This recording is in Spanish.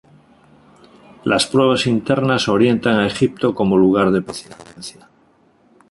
Las pruebas internas orientan a Egipto como lugar de procedencia.